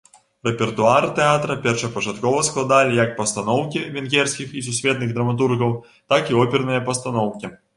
Рэпертуар тэатра першапачаткова складалі як пастаноўкі венгерскіх і сусветных драматургаў, так і оперныя пастаноўкі.